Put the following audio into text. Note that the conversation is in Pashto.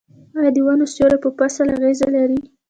آیا د ونو سیوری په فصل اغیز لري؟